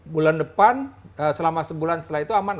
bulan depan selama sebulan setelah itu aman